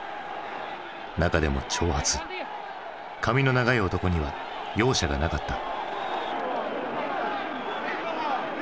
中でも長髪髪の長い男には容赦がなかった。